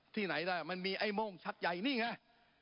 ที่ไหนล่ะมันมีไอ้โม่งชักใหญ่นี่ไง